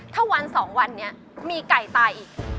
ถ้าวันสองวันนี้มีไก่ตายอีก